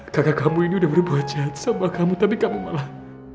kakak kamu ini udah berbuat jahat sama kamu tapi kamu malah